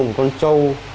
một con trâu